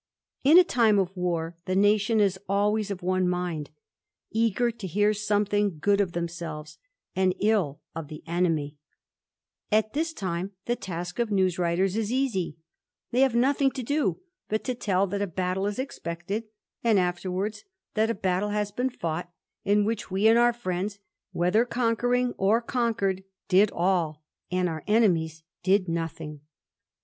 In a time of war the nation is always of one mind, eager ^ hear something good of themselves and ill of the enemy, ^.t this time the task of news writers is easy; they have Nothing to do but to tell that a battle is expected, and Aerwards that a battle has been fought, in which we and ur fiiends, whether conquering or conquered, did all, and ur enemies did nothing.